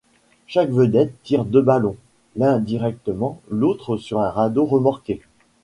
Chaque vedette tire deux ballons, l'un directement, l'autre sur un radeau remorqué.